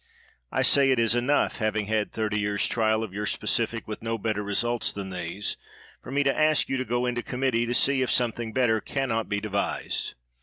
I say it is enough, having had thirtj' years' trial of your specific with no better results than these, for me to ask you to go into committee to see if something better can not be devised.